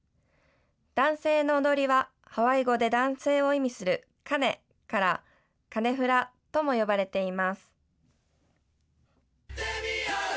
男性の踊りは、ハワイ語で男性を意味するカネから、カネフラとも呼ばれています。